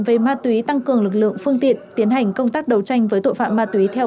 về ma túy tăng cường lực lượng phương tiện tiến hành công tác đấu tranh với tội phạm ma túy theo